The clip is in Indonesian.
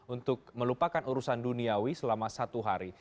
untuk melupakan urusan duniawi selama satu hari